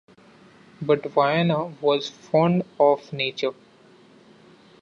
But Viana was fond of Nature.